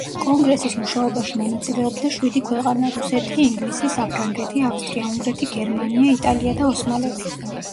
კონგრესის მუშაობაში მონაწილეობდა შვიდი ქვეყანა: რუსეთი, ინგლისი, საფრანგეთი, ავსტრია-უნგრეთი, გერმანია, იტალია და ოსმალეთი.